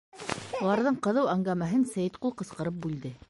...Уларҙың ҡыҙыу әңгәмәһен Сәйетҡол ҡысҡырып бүлде: